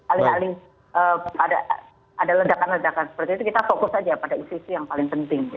alih alih ada ledakan ledakan seperti itu kita fokus saja pada isu isu yang paling penting